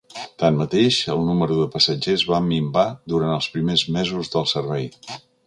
Tanmateix, el número de passatgers va minvar durant els primers mesos del servei.